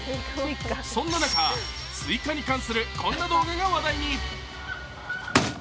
そんな中、スイカに関するこんな動画が話題に。